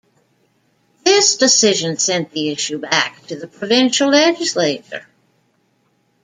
This decision sent the issue back to the provincial legislature.